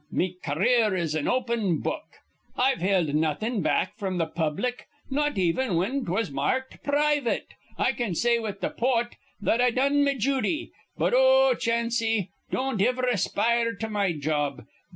Me car eer is an open book. I've held nawthin' back fr'm th' public, not even whin 'twas mar rked private. I can say with th' pote that I done me jooty. But, oh, Chanse! don't iver aspire to my job.